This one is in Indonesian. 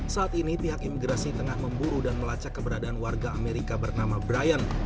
saat ini pihak imigrasi tengah memburu dan melacak keberadaan warga amerika bernama brian